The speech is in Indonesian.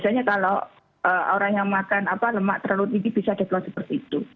biasanya kalau orang yang makan lemak terlalu tinggi bisa depload seperti itu